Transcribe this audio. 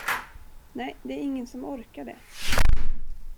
Nej, det är ingen som orkar det.